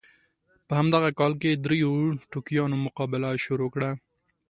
په همدغه کال کې دریو ټوکیانو مقابله شروع کړه.